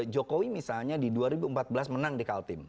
jokowi misalnya di dua ribu empat belas menang di kaltim